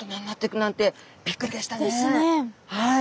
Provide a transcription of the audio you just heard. はい。